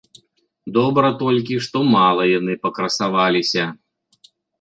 Добра толькі, што мала яны пакрасаваліся.